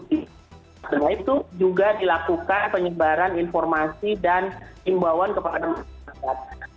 setelah itu juga dilakukan penyebaran informasi dan imbauan kepada masyarakat